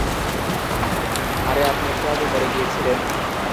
- আরে আপনি একটু আগে মরে গিয়েছিলেন।